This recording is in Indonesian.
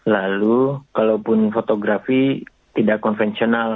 lalu kalaupun fotografi tidak konvensional